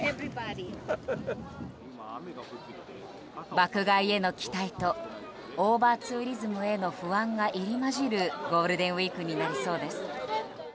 爆買いへの期待とオーバーツーリズムへの不安が入り混じるゴールデンウィークになりそうです。